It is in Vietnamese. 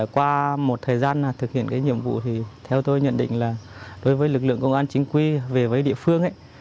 qua một thời gian thực hiện nhiệm vụ theo tôi nhận định là đối với lực lượng công an chính quy về với địa phương